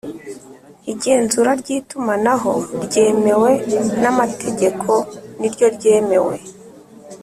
Igenzura ry itumanaho ryemewe n amategeko ni ryo ryemewe